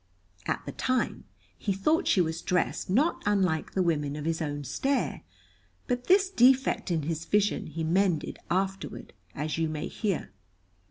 At the time, he thought she was dressed not unlike the women of his own stair, but this defect in his vision he mended afterward, as you may hear.